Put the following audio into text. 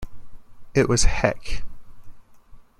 It was heck.